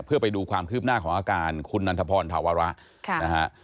เพื่อไปดูความคืบหน้าของอาการคุณนันทพรธาวระนะฮะ